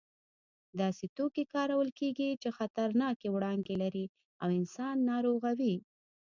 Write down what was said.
داسې توکي کارول کېږي چې خطرناکې وړانګې لري او انسان ناروغوي.